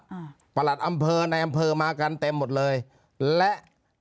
ประหลัดอำเภอในอำเภอมากันเต็มหมดเลยและ